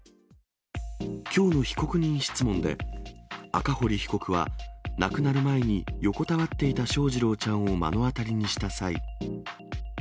きょうの被告人質問で、赤堀被告は、亡くなる前に、横たわっていた翔士郎ちゃんを目の当たりにした際。